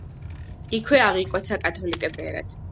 იქვე აღიკვეცა კათოლიკე ბერად.